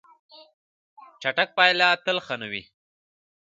چټک پایله تل ښه نه وي.